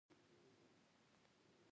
خټکی پخلی نه غواړي.